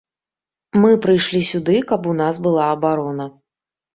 Мы прыйшлі сюды, каб у нас была абарона.